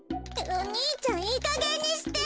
お兄ちゃんいいかげんにして！